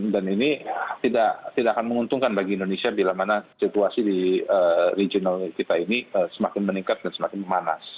dan ini tidak akan menguntungkan bagi indonesia bila mana situasi di regional kita ini semakin meningkat dan semakin memanas